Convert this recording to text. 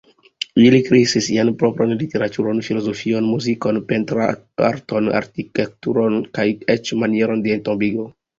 Ili kreis sian propran literaturon, filozofion, muzikon, pentrarton, arkitekturon kaj eĉ manieron de entombigo.